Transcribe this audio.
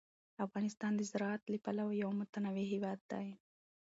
افغانستان د زراعت له پلوه یو متنوع هېواد دی.